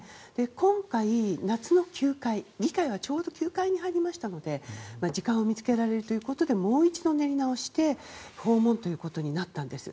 今回、夏の休会議会がちょうど休会に入ったので時間を見つけられるということでもう一度練り直して訪問ということになったんです。